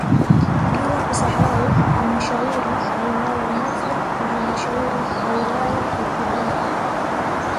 Bila kusahau halmashauri ya wilaya ya Mafia na halmashauri ya wilaya ya Kibaha